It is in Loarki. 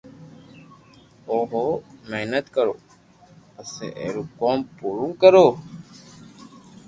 او ھون ح محنت ڪرو پسو آئرو ڪوم پورو ڪرو